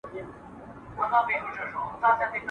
آس په زین او په سورلیو ښه ښکاریږي !.